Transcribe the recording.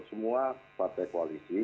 semua partai koalisi